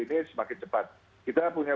ini semakin cepat kita punya